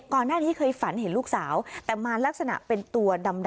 ก่อนหน้านี้เคยฝันเห็นลูกสาวแต่มาลักษณะเป็นตัวดำ